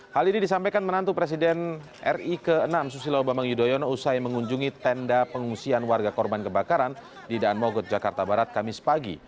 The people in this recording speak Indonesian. hal ini disampaikan menantu presiden ri ke enam susilo bambang yudhoyono usai mengunjungi tenda pengungsian warga korban kebakaran di daan mogot jakarta barat kamis pagi